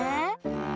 うん！